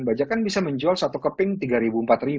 bajakan bisa menjual satu keping rp tiga empat